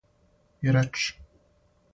И рече